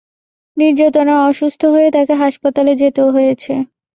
নির্যাতনে অসুস্থ হয়ে তাকে হাসপাতালে যেতেও হয়েছে।